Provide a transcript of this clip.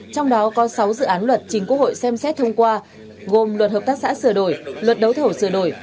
trong đó có sáu dự án luật chính quốc hội xem xét thông qua gồm luật hợp tác xã sửa đổi luật đấu thầu sửa đổi